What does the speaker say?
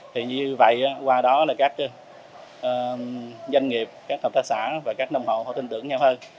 thì như vậy qua đó là các doanh nghiệp các hợp tác xã và các nông hộ họ tin tưởng nhau hơn